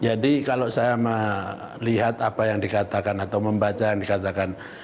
kalau saya melihat apa yang dikatakan atau membaca yang dikatakan